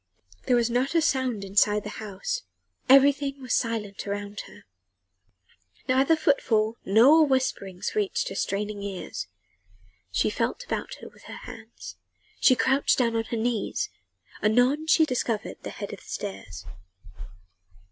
There was not a sound inside the house: everything was silent around her: neither footfall nor whisperings reached her straining ears. She felt about her with her hands, she crouched down on her knees: anon she discovered the head of the stairs.